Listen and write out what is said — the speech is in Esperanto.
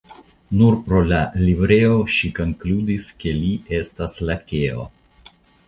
Nur pro la livreo ŝi konkludis ke li estas lakeo.